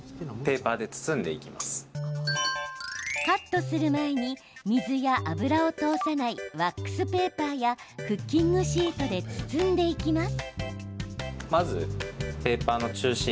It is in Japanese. カットする前に、水や油を通さないワックスペーパーやクッキングシートで包んでいきます。